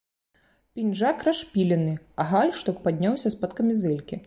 Пінжак расшпілены, гальштук падняўся з-пад камізэлькі.